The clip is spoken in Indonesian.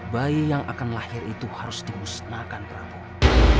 bayi yang akan lahir itu harus dimusnahkan prabowo